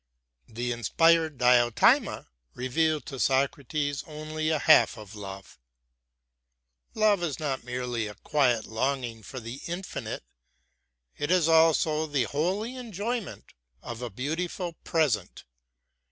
The inspired Diotima revealed to Socrates only a half of love. Love is not merely a quiet longing for the infinite; it is also the holy enjoyment of a beautiful present.